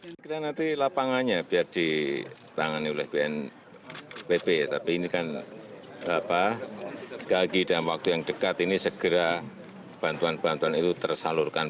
sekali lagi dalam waktu yang dekat ini segera bantuan bantuan itu tersalurkan